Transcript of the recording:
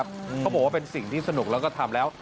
เขาบอกว่าเป็นสิ่งที่สนุกแล้วก็ทำแล้ว